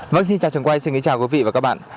vâng xin chào trường quay xin kính chào quý vị và các bạn